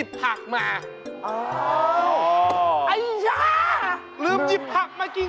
ราคาไม่แพง